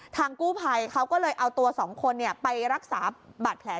กู้ภัยเขาก็เลยเอาตัว๒คนไปรักษาบาดแผล